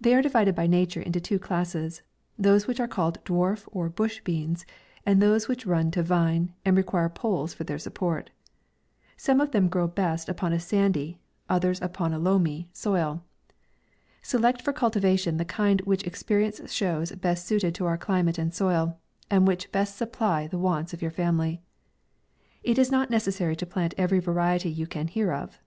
They are divided by nature into two class es : those which are called dwarf or bush beans, and those which run to vine, and re quire poles for their support. Some of them grow best upon a sandy, others upon a loamy 1)4 MAV. soil. Select for cultivation the kind which experience shows best suited to our climate and soil, and which best supply the wants of your family. It is not necessary to plant every variety you can hear of.